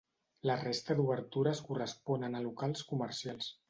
La resta d'obertures corresponen a locals comercials.